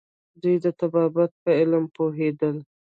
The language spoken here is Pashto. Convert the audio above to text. دوی د طبابت په علم پوهیدل